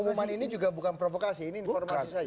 pengumuman ini juga bukan provokasi ini informasi saja